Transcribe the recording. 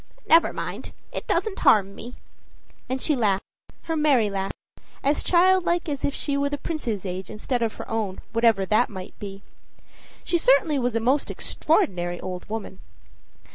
Never mind; it doesn't harm me." And she laughed her merry laugh as child like as if she were the Prince's age instead of her own, whatever that might be. She certainly was a most extraordinary old woman.